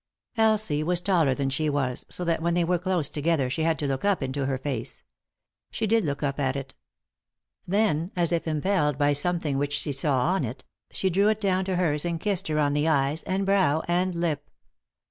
Elsie was taller than she was; so that when they were close together she had to look up into her face. She did look up at it. Then, as if impelled by some thing which she saw on it, she drew it down to hers and kissed her on the eyes, and brow, and lip.